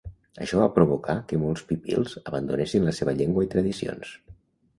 Això va provocar que molts pipils abandonessin la seva llengua i tradicions.